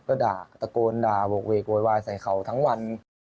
ก็ด่าตะโกนด่าโหกเวกโวยวายใส่เขาทั้งวัน